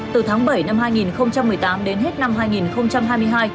từ tháng bảy năm hai nghìn một mươi tám đến hết năm hai nghìn hai mươi hai